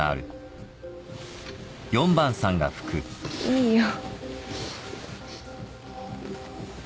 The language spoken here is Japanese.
いいよ。